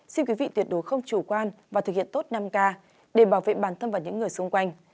xin quý vị tuyệt đối không chủ quan và thực hiện tốt năm k để bảo vệ bản thân và những người xung quanh